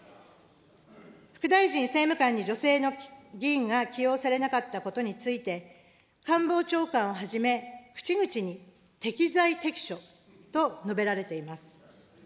副大臣、政務官に女性の議員が起用されなかったことについて、官房長官をはじめ、口々に適材適所と述べられています。